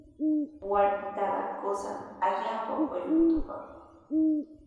Warmitaqa qusan allaapa ullqutupaq.